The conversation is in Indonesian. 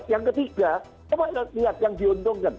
yang ketiga coba lihat yang diuntungkan